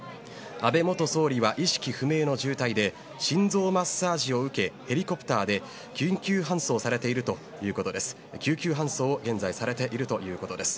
安倍元総理は意識不明の重体で心臓マッサージを受けヘリコプターで救急搬送されているということです。